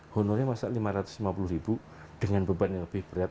honornya masa lima ratus lima puluh ribu dengan beban yang lebih berat